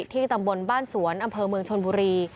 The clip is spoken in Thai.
ที่ตำบลบ้านสวนอำเภอเมืองชนบุรี